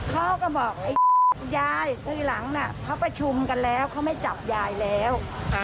เขาก็บอกไอ้ยายทีหลังเขาประชุมกันแล้วเขาไม่จับยายแล้ว